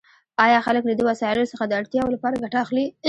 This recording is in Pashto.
آیا خلک له دې وسایلو څخه د اړتیاوو لپاره ګټه اخلي؟